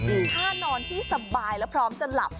ถ้านอนที่สบายแล้วพร้อมจะหลับ